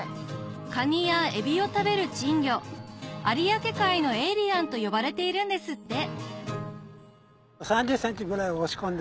カニやエビを食べる珍魚有明海のエイリアンと呼ばれているんですって３０ｃｍぐらい押し込んで。